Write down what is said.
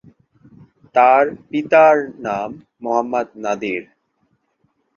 তার পিতা নাম "মোহাম্মদ নাদির"।